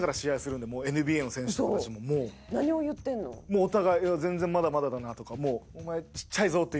もうお互い「いや全然まだまだだな」とか「お前ちっちゃいぞ」って。